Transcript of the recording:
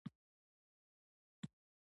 هیڅ کوم باشعوره څوک نشي رد کولای.